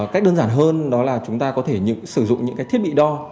cách đơn giản hơn đó là chúng ta có thể sử dụng những cái thiết bị đo